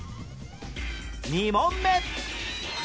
２問目